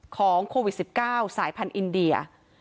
ของโควิด๑๙สายพันธุ์อินเดีย